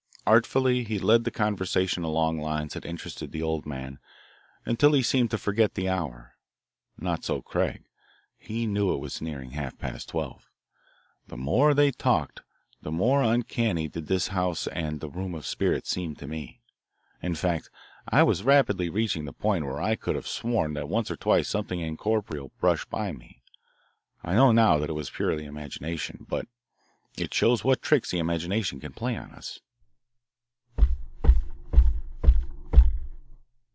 Artfully he led the conversation along lines that interested the old man until he seemed to forget the hour. Not so, Craig. He knew it was nearing half past twelve. The more they talked the more uncanny did this house and room of spirits seem to me. In fact, I was rapidly reaching the point where I could have sworn that once or twice something incorporeal brushed by me. I know now that it was purely imagination, but it shows what tricks the imagination can play on us.